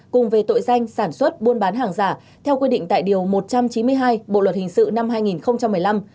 cùng về tội danh sản xuất buôn bán hàng giả theo quy định tại điều một trăm chín mươi hai bộ luật hình sự năm hai nghìn một mươi năm